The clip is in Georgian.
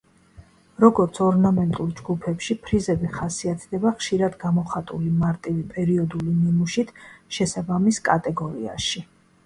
როგორც ორნამენტულ ჯგუფებში, ფრიზები ხასიათდება ხშირად გამოხატული მარტივი პერიოდული ნიმუშით, შესაბამის კატეგორიაში.